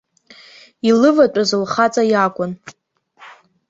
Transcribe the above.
Илыватәаз лхаҵа иакәын.